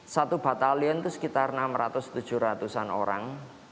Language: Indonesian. satu batalion itu sekitar enam ratus tujuh ratus an orang